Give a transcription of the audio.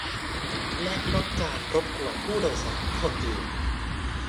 และลดการรบกวนผู้โดยสารคนอื่น